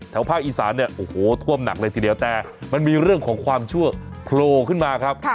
ภาคอีสานเนี่ยโอ้โหท่วมหนักเลยทีเดียวแต่มันมีเรื่องของความเชื่อโผล่ขึ้นมาครับ